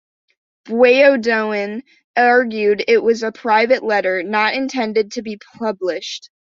Beaudoin argued it was a private letter, not intended to be published.